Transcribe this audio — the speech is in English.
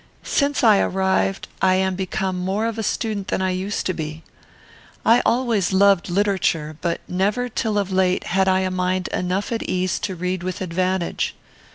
"Since I arrived, I am become more of a student than I used to be. I always loved literature, but never, till of late, had I a mind enough at ease to read with advantage.